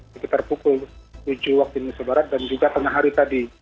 sekitar pukul tujuh waktu indonesia barat dan juga tengah hari tadi